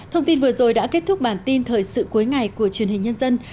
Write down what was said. thông tin vừa rồi đã kết thúc bản tin thời sự cuối ngày của truyền hình nhân dân